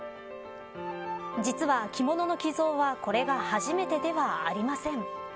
実は着物の寄贈はこれが初めてではありません。